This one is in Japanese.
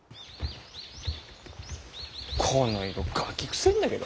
この色ガキくせえんだけど。